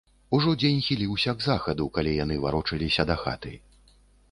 Ужо дзень хіліўся к захаду, калі яны варочаліся да хаты.